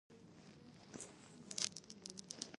ما ځان یوازې او تش لاس احساس کړ، چې ډېر بد و.